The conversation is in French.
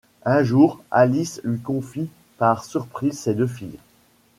Un jour, Alice lui confie par surprise ses deux filles.